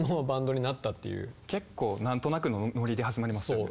結構何となくのノリで始まりましたよね。